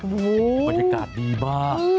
โอ้โหบรรยากาศดีมาก